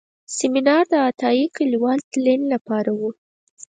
سیمینار د عطایي لیکوال تلین لپاره و.